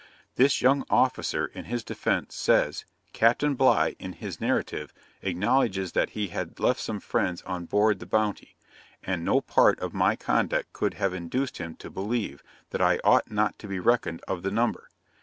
This young officer, in his defence, says, 'Captain Bligh, in his narrative, acknowledges that he had left some friends on board the Bounty, and no part of my conduct could have induced him to believe that I ought not to be reckoned of the number.